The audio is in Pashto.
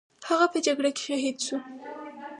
هغه په جګړه کې شهید شو.